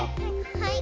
はい。